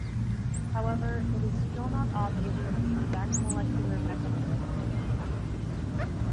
However, it is still not obvious what the exact molecular mechanism is.